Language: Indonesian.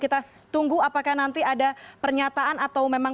kita tunggu apakah nanti ada pernyataan atau memang